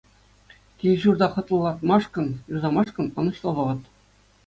Кил-ҫурта хӑтлӑлатмашкӑн, юсамашкӑн ӑнӑҫлӑ вӑхӑт.